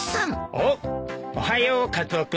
おおおはようカツオ君。